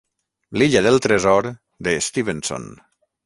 "L'illa del tresor" de Stevenson.